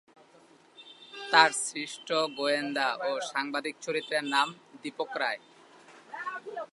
তার সৃষ্ট গোয়েন্দা ও সাংবাদিক চরিত্রের নাম দীপক রায়।